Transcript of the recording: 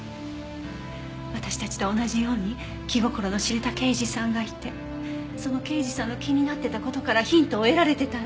私たちと同じように気心の知れた刑事さんがいてその刑事さんの気になってた事からヒントを得られてたら。